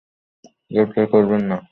গ্রেফতার করবেন না!